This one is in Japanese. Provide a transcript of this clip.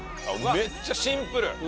めっちゃシンプル！